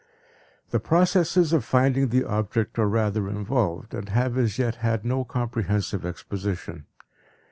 The processes of finding the object are rather involved, and have as yet had no comprehensive exposition.